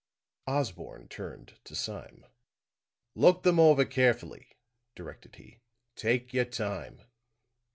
Osborne turned to Sime. "Look them over carefully," directed he. "Take your time."